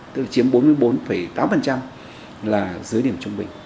tức là chiếm bốn mươi bốn tám là dưới điểm trung bình